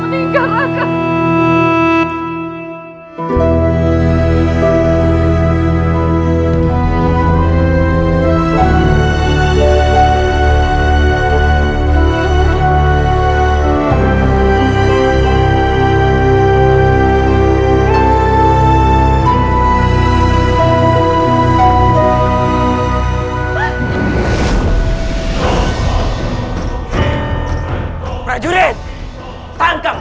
kami ingin mengambarkan kamu